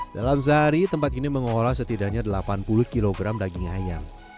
dalam sehari tempat ini mengolah setidaknya delapan puluh kg daging ayam